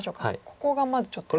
ここがまずちょっと弱いと。